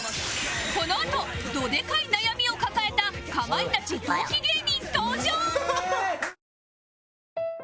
このあとどでかい悩みを抱えたかまいたち同期芸人登場